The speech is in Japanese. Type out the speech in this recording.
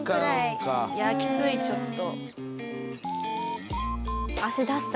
いやきついちょっと。